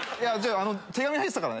手紙が入ってたからね。